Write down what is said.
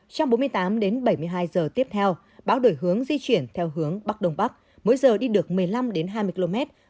trong bốn mươi tám bảy mươi hai h tiếp theo bão đổi hướng di chuyển theo hướng tây tây bắc mỗi giờ đi được một mươi năm hai mươi km